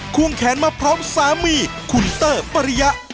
วงแขนมาพร้อมสามีคุณเตอร์ปริยะ